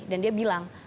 dan dia bilang